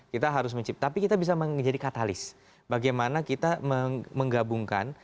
kita harus menciptakan tapi kita bisa menjadi katalis bagaimana kita menggabungkan